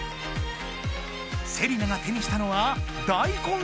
セリナが手にしたのは大根の皮。